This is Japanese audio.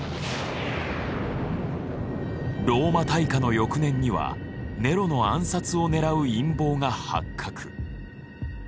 ローマ大火の翌年にはネロの暗殺を狙う陰謀が発覚。